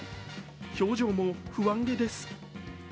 表情も不安げです。